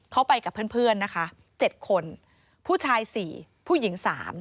เขาไปกับเพื่อนนะคะ๗คนผู้ชาย๔ผู้หญิง๓